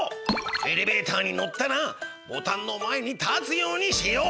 エレベーターに乗ったらボタンの前に立つようにしよう。